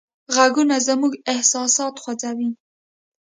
غږونه زموږ احساسات خوځوي.